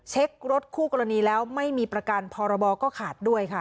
เช็ครถคู่กรณีแล้วไม่มีประกันพรบก็ขาดด้วยค่ะ